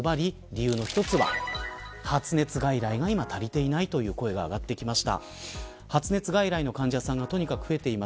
ずばり理由の一つは発熱外来が今、足りていないという声が上がってきました。